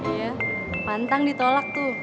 iya pantang ditolak tuh